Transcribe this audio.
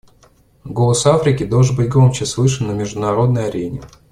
Голос Африки должен быть громче слышан на международной арене.